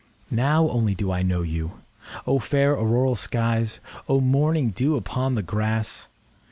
Now only do I know you!O fair auroral skies! O morning dew upon the grass!